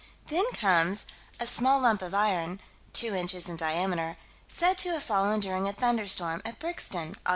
Then comes a "small lump of iron (two inches in diameter)" said to have fallen, during a thunderstorm, at Brixton, Aug.